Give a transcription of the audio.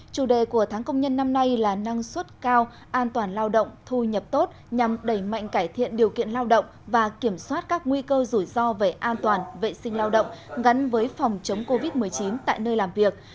chủ đề của tháng công nhân năm nay là năng suất cao an toàn lao động thu nhập tốt nhằm đẩy mạnh cải thiện điều kiện lao động và kiểm soát các nguy cơ rủi ro về an toàn vệ sinh lao động gắn với phòng chống covid một mươi chín tại nơi làm việc